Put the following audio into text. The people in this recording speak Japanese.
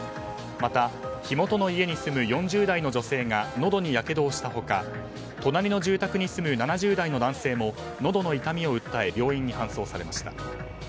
また、火元の家に住む４０代の女性がのどにやけどをした他隣の住宅に住む７０代の男性ものどの痛みを訴え病院に搬送されました。